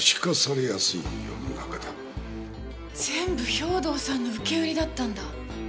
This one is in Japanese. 全部兵藤さんの受け売りだったんだ。